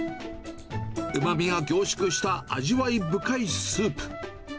うまみが凝縮した味わい深いスープ。